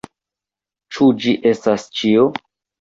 Ĉu ĝi estas ĉio?